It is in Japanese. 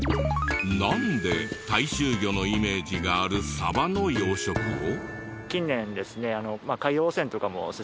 なんで大衆魚のイメージがあるサバの養殖を？